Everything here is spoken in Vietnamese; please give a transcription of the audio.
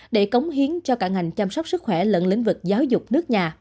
để cống hiến cho cả ngành chăm sóc sức khỏe lẫn lĩnh vực giáo dục nước nhà